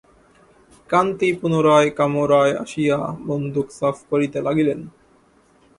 কান্তি পুনরায় কামরায় আসিয়া বন্দুক সাফ করিতে লাগিলেন।